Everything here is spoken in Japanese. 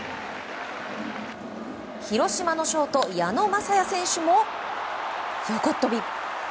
広島のショート矢野雅哉選手も横っ飛び！